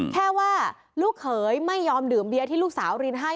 แค่ว่าลูกเขยไม่ยอมดื่มเบียร์ที่ลูกสาวรินให้